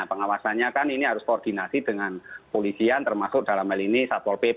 pengawasannya kan ini harus koordinasi dengan polisian termasuk dalam hal ini satpol pp